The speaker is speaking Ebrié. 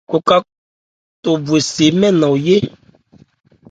Koca tᴐ bhwe se mɛ́n nman ye.